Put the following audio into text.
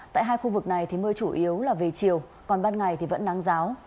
tại hai khu vực này mưa chủ yếu là về chiều còn ban ngày vẫn nắng giáo